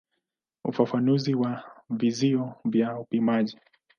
Ufafanuzi wa vizio vya upimaji.